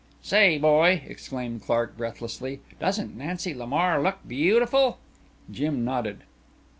"Say, boy," exclaimed Clark breathlessly, "doesn't Nancy Lamar look beautiful?" Jim nodded.